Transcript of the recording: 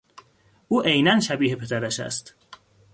او عینا شبیه پدرش است.